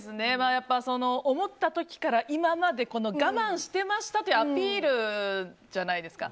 思った時から今まで我慢してましたというアピールじゃないですか。